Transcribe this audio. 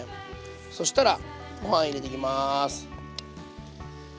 そしたらご飯入れていきます。